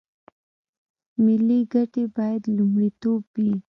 ملي ګټې باید لومړیتوب وي